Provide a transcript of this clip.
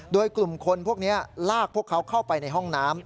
โดยกลุ่มคนพวกนี้ลากพวกเขาเข้าไปในห้องน้ำ